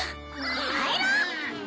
帰ろう。